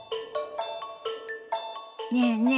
ねえねえ